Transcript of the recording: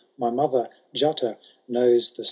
My mother, Jutta, knows the spell.